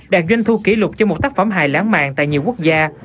đạt doanh thu kỷ lục cho một tác phẩm hài lãng mạn tại nhiều quốc gia